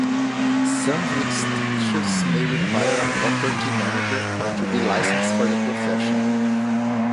Some jurisdictions may require a property manager to be licensed for the profession.